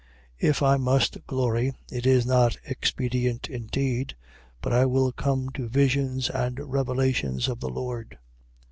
12:1. If I must glory (it is not expedient indeed) but I will come to visions and revelations of the Lord.